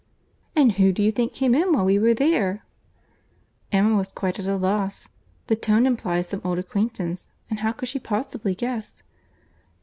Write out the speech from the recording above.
"And who do you think came in while we were there?" Emma was quite at a loss. The tone implied some old acquaintance—and how could she possibly guess?